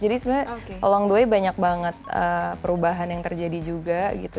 jadi sebenarnya along the way banyak banget perubahan yang terjadi juga gitu